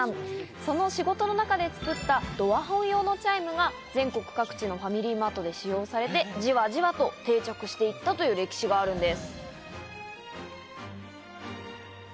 その仕事の中で作ったドアホン用のチャイムが全国各地のファミリーマートで使用されて、じわじわと定着していったという歴史があるんです。